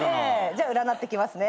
じゃあ占っていきますね。